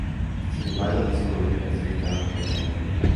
Sin embargo, en ese momento el castillo estaba completamente en ruinas.